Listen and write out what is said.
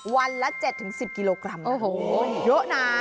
วันละ๗๑๐กิโลกรัมโอ้โหเยอะนะ